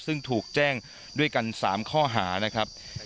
ซึ่งถูกแจ้งด้วยกัน๓ข้อหานะครับ